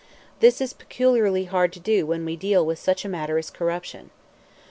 This is peculiarly hard to do when we deal with such a matter as corruption.